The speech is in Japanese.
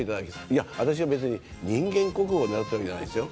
いや、私は別に人間国宝をねらってるわけじゃないですよ。